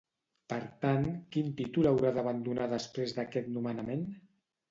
Per tant, quin títol haurà d'abandonar després d'aquest nomenament?